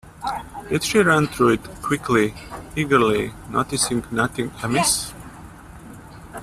Did she run through it quickly, eagerly, noticing nothing amiss?